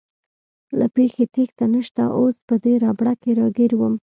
له پېښې تېښته نشته، اوس په دې ربړه کې راګیر ووم.